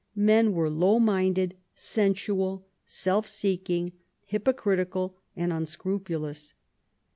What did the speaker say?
Men were low minded, sensual, self seek ing, hypocritical and unscrupulous.